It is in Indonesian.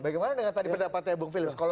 bagaimana dengan tadi pendapatnya bung philips